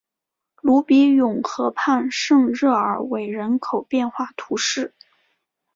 鲁比永河畔圣热尔韦人口变化图示